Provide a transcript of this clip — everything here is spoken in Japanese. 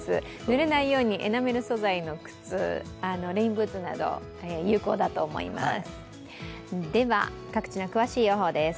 ぬれないようにエナメル素材の靴、レインブーツなど有効だと思います。